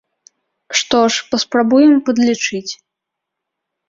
Што ж, паспрабуем падлічыць.